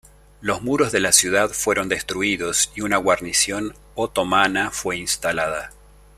Los muros de la ciudad fueron destruidos y una guarnición otomana fue instalada.